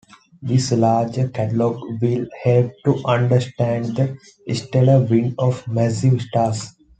This larger catalog will help to understand the stellar wind of massive stars.